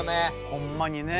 ほんまにね。